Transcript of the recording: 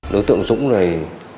đối tượng dũng này